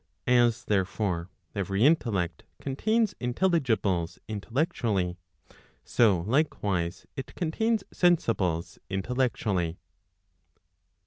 As therefore, every intellect contains intelligibles intellectually, so likewise it contains sensibles intellectually.